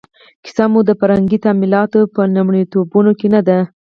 کیسه مو د فرهنګي تمایلاتو په لومړیتوبونو کې نه ده.